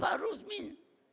datang pak rusmin